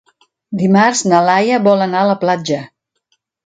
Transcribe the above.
Dimarts na Laia vol anar a la platja.